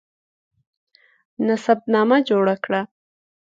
نسب نامه جوړه کړه.